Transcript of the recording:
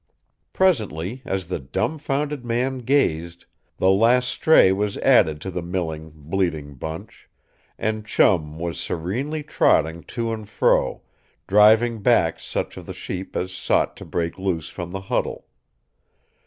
Presently, as the dumbfounded man gazed, the last stray was added to the milling, bleating bunch, and Chum was serenely trotting to and fro, driving back such of the sheep as sought to break loose from the huddle.